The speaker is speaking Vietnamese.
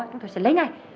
chúng tôi sẽ lấy ngay